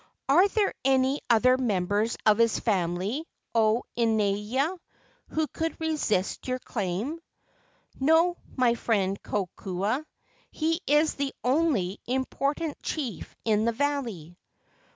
"Are there any other members of his family, 0 Inaina, who could resist your claim?" "No, my friend Kokua. He is the only impor¬ tant chief in the valley."